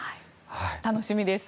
楽しみです。